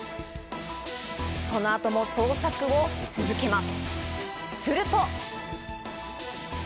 その後も捜索を続けます。